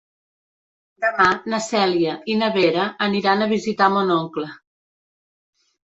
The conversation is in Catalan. Demà na Cèlia i na Vera aniran a visitar mon oncle.